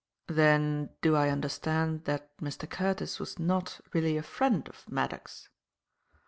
"Then do I understand that Mr. Curtis was not really a friend of Maddock's?"